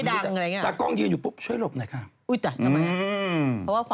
เด็กเป็นเด็กมีสัมมาคราวะ